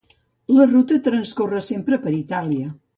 La ruta transcorre sempre per Itàlia.